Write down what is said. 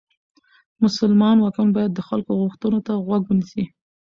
مسلمان واکمن باید د خلکو غوښتنو ته غوږ ونیسي.